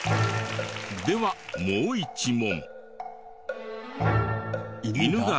ではもう１問。